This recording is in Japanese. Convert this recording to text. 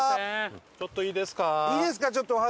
ちょっといいですか？